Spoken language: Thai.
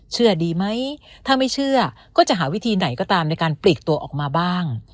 เชื่อดีไหมถ้าไม่เชื่อก็จะหาวิธีไหนก็ตามในการปลีกตัวออกมาบ้าง